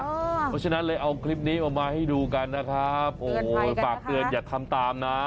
เพราะฉะนั้นเลยเอาคลิปนี้ออกมาให้ดูกันนะครับโอ้ฝากเตือนอย่าทำตามนะ